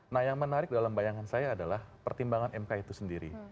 nah yang menarik dalam bayangan saya adalah pertimbangan mk itu sendiri